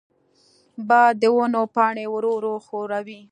باد د ونو پاڼې ورو ورو ښوروي.